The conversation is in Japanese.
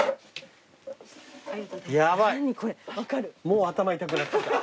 もう頭痛くなってきた。